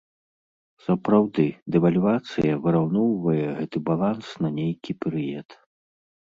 Сапраўды, дэвальвацыя выраўноўвае гэты баланс на нейкі перыяд.